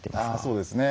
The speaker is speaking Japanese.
そうですね。